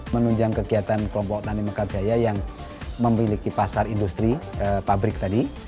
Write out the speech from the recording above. menunjang kegiatan kelompok tani mekarjaya yang memiliki pasar industri pabrik tadi